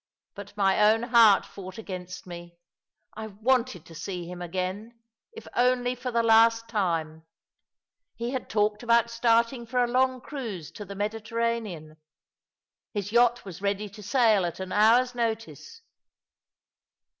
But my own heart fought against me. I wanted to see him again — if only for the last time. He had talked about starting for a long cruise to the Mediterranean. His yacht was ready to sail at an hours notice."